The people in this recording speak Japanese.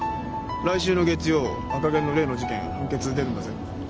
来週の月曜赤ゲンの例の事件判決出るんだぜ。